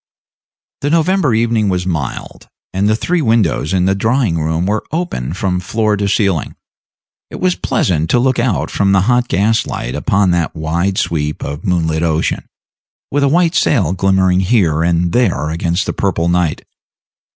The November evening was mild, and the three windows in the drawing room were open from floor to ceiling. It was pleasant to look out from the hot gas light upon that wide sweep of moonlit ocean, with a white sail glimmering here and there against the purple night.